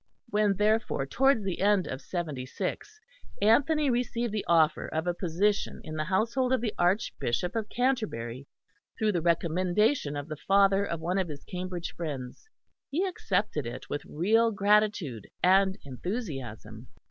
When, therefore, towards the end of '76, Anthony received the offer of a position in the household of the Archbishop of Canterbury, through the recommendation of the father of one of his Cambridge friends, he accepted it with real gratitude and enthusiasm.